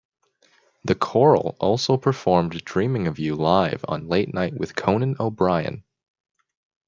The Coral also performed "Dreaming of You" live on Late Night with Conan O'Brien.